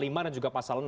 ini juga pasal enam